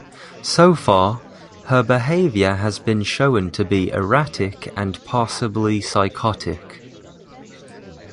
So far, her behavior has been shown to be erratic and possibly psychotic.